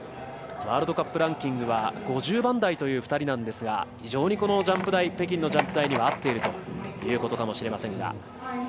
ワールドカップランキング５０番台という２人なんですが非常にこの北京のジャンプ台には合っているということかもしれませんが。